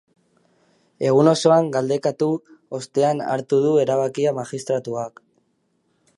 Egun osoan galdekatu ostean hartu du erabakia magistratuak.